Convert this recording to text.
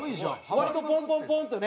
割とポンポンポンとね。